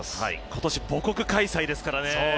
今年母国開催ですからね。